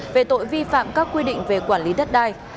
về tội vi phạm các quy định về quản lý đất đai